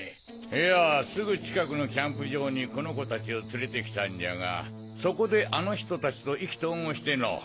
いやすぐ近くのキャンプ場にこの子達を連れて来たんじゃがそこであの人達と意気投合してのぉ。